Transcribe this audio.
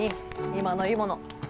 今のいいもの。